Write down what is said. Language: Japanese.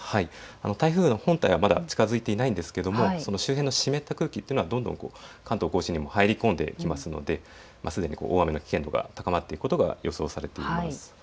台風の本体はまだ近づいていないんですが、周辺の湿った空気というのがどんどん関東甲信にも入り込んでくるのですでに大雨の危険度が高まっていくことが予想されています。